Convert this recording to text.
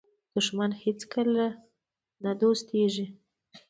دښمن هیڅکله دوست نه کېږي